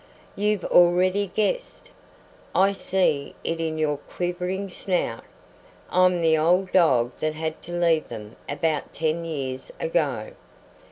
"You've already guessed. I see it in your quivering snout. I'm the old dog that had to leave them about ten years ago."